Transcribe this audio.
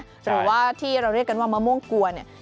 หรือว่าที่เราเรียกกันว่ามะม่วงกวนเนี่ย